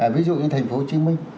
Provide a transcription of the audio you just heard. ví dụ như thành phố hồ chí minh